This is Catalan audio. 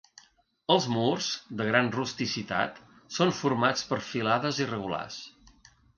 Els murs, de gran rusticitat, són formats per filades irregulars.